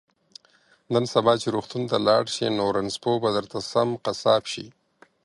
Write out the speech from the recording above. نن سبا چې روغتون ته لاړ شي نو رنځپوه به درته سم قصاب شي